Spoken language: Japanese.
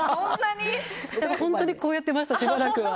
本当にこうやってましたしばらくは。